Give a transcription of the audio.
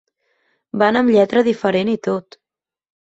Van amb lletra diferent i tot.